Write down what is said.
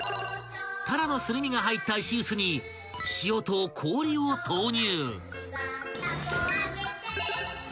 ［タラのすり身が入った石臼に塩と氷を投入］